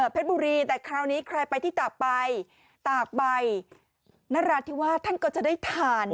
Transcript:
บุรีแต่คราวนี้ใครไปที่ตากใบตากใบนราธิวาสท่านก็จะได้ทาน